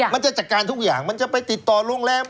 มันจะจัดการทุกอย่างมันจะไปติดต่อโรงแรม